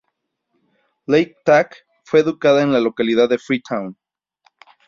Lake-Tack fue educada en la localidad de Freetown.